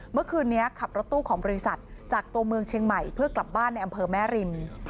เมื่อคืนนี้ขับรถตู้ของบริษัทจากตัวเมืองเชียงใหม่เพื่อกลับบ้านในอำเภอแม่ริม